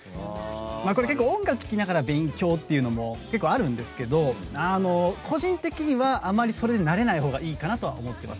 結構、音楽聴きながら勉強っていうのは結構あるんですけど個人的にはあまりそれで慣れないほうがいいかなとは思ってます。